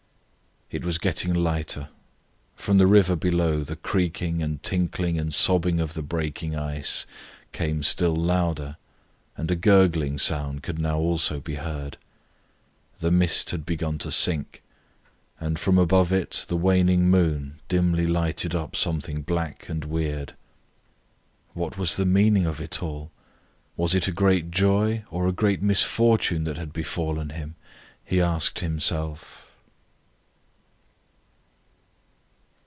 It was getting lighter. From the river below the creaking and tinkling and sobbing of the breaking ice came still louder and a gurgling sound could now also be heard. The mist had begun to sink, and from above it the waning moon dimly lighted up something black and weird. "What was the meaning of it all? Was it a great joy or a great misfortune that had befallen him?" he asked himself.